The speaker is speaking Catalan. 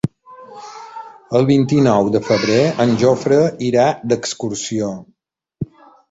El vint-i-nou de febrer en Jofre irà d'excursió.